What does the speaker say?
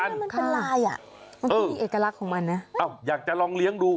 นั่นคือเอกลักษณ์ของมันนะอ้าวอยากจะลองเลี้ยงดู